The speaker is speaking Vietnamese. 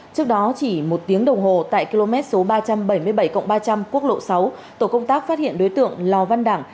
trước đó chỉ một tiếng đồng hồ tại km số ba trăm bảy mươi bảy ba trăm linh quốc lộ sáu tổ công tác phát hiện đối tượng lò văn đẳng